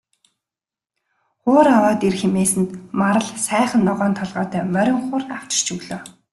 Хуур аваад ир хэмээсэнд Марал сайхан ногоон толгойтой морин хуур авчирч өглөө.